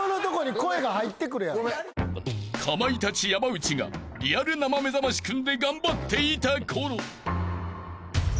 ［かまいたち山内がリアル生めざましくんで頑張っていた頃］